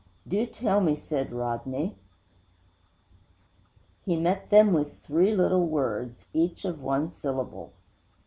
'Do tell me,' said Rodney. 'He met them with three little words, each of one syllable.